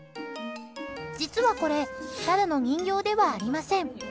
実はこれただの人形ではありません。